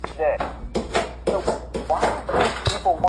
গণতন্ত্রের জন্য সবাইকে হাতে হাত রেখে এগিয়ে যাওয়ার আহ্বান জানিয়েছেন তিনি।